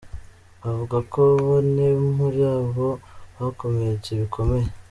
Avuga ko bane muri bo bakomeretse bikomeye.